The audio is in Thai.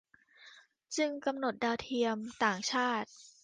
จึงกำหนดดาวเทียมต่างชาติ